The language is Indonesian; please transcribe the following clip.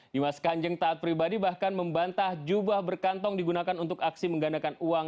dimas kanjeng taat pribadi bahkan membantah jubah berkantong digunakan untuk aksi menggandakan uang